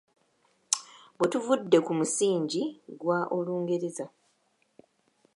Bwe tuvudde ku musingi gwa Olungereza.